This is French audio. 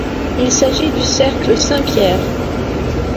Il s'agit du Cercle Saint-Pierre.